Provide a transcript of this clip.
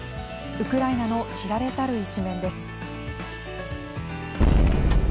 ウクライナの知られざる一面です。